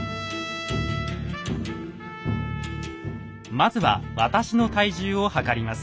まずは私の体重を量ります。